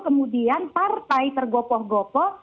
kemudian partai tergopoh gopoh